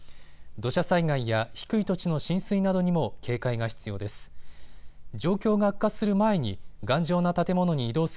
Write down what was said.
土砂災害や低い土地の浸水などにも警戒が必要です。